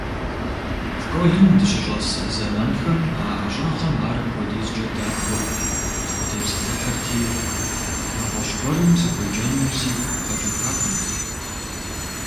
Школым дыщыщӀэс зэманхэм а ӀэщӀагъэм ар апхуэдизкӀэ дахэу къытхутепсэлъыхьырти, нэгъуэщӀ гуэрым сыхуеджэну сигу къэкӀыхакъым.